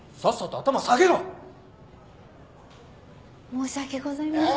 申し訳ございません。